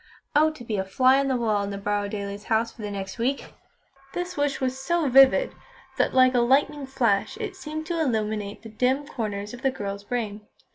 "Oh! to be a fly on the wall in the Borrowdailes' house for the next week!" This wish was so vivid, that like a lightning flash it seemed to illumine the dim corners of the girl's brain.